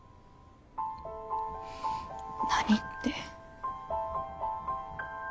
何って。